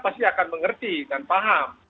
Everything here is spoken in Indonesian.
pasti akan mengerti dan paham